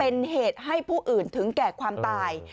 เป็นเหตุให้ผู้อื่นถึงแก่ความตาย